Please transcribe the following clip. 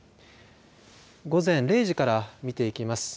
午前０時から見ていきます。